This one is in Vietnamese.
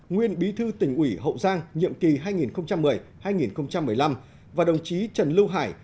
nguyên bí thư tỉnh ủy hậu giang nhiệm kỳ hai nghìn một mươi hai nghìn một mươi năm và đồng chí trần lưu hải